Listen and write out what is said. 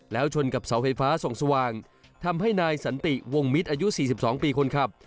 แล้วชนกับเสาไฟฟ้าส่องสว่างทำให้นายสันติวงมิตรอายุ๔๒ปีคนขับ